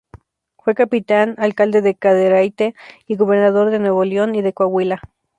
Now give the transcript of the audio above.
Fue capitán, alcalde de Cadereyta y gobernador de Nuevo León y de Coahuila.